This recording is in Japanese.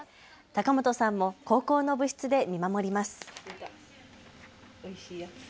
高本さんも高校の部室で見守ります。